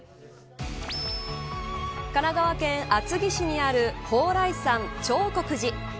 神奈川県厚木市にある蓬莱山長谷寺。